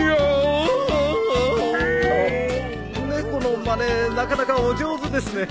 猫のまねなかなかお上手ですね。